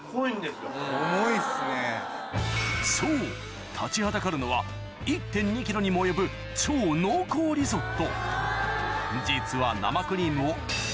そう立ちはだかるのは１．２ｋｇにも及ぶ超濃厚リゾット